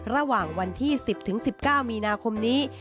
ระหว่างวันที่๑๐๑๙มีนาคมนี้